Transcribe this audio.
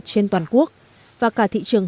trên toàn quốc và cả thị trường